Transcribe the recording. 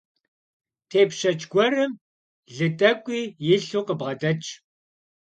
Тепщэч гуэрым лы тӀэкӀуи илъу къыбгъэдэтщ.